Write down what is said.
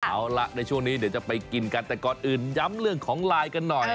เอาล่ะในช่วงนี้เดี๋ยวจะไปกินกันแต่ก่อนอื่นย้ำเรื่องของไลน์กันหน่อย